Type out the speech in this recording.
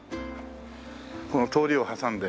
この通りを挟んで。